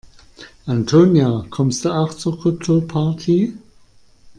Antonia, kommst du auch zur Kryptoparty?